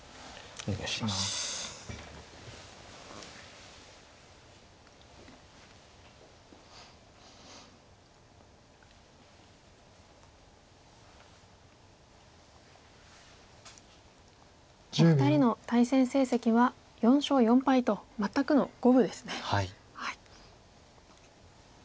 お二人の対戦成績は４勝４敗と全くの五分ですね。